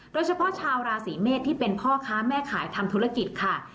โดยเฉพาะชาวราศีเมษที่เป็นพ่อค้าแม่ขายทำธุรกิจค่ะ